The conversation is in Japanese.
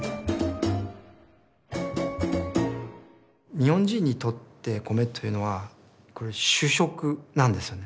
日本人にとって米というのはこれ主食なんですよね。